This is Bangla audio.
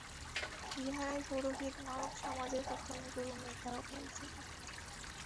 ইঁহারাই পুরোহিত, মানবসমাজের প্রথম গুরু, নেতা ও পরিচালক।